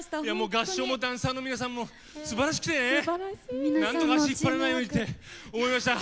合唱もダンサーの皆さんもすばらしくて、なんとか足引っ張らないようにって思いました。